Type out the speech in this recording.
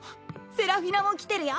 セラフィナも来てるよ。